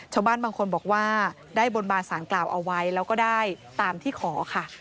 ชาวบ้านบางคนบอกว่าได้บนบานสารกล่าวเอาไว้แล้วก็ได้ตามที่ขอค่ะ